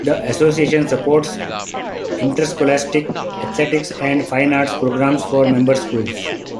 The association supports interscholastic athletics and fine arts programs for member schools.